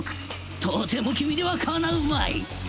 とても君にはかなうまい！